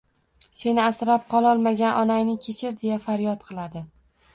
Seni asrab qololmagan onangni kechir, deya faryod qiladi